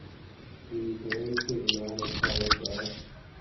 He is married to Riana Puapua.